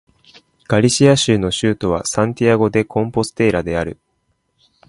ガリシア州の州都はサンティアゴ・デ・コンポステーラである